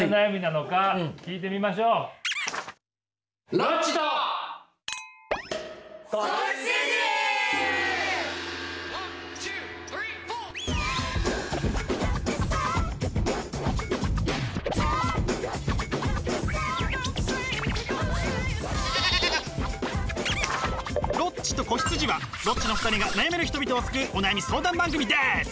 「ロッチと子羊」はロッチの２人が悩める人々を救うお悩み相談番組です！